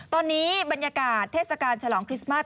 ตอนนี้บรรยากาศเทศกาลฉลองคริสต์มาส